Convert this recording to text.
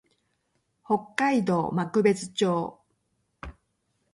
北海道幕別町